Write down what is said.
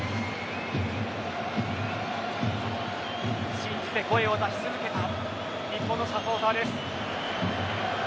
信じて声を出し続けた日本のサポーターです。